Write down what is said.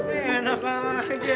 eh enak aja